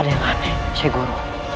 ada yang lain sehgur